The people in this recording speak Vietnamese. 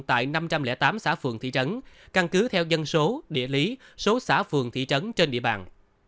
tại năm trăm linh tám xã phường thị trấn căn cứ theo dân số địa lý số xã phường thị trấn trên địa bàn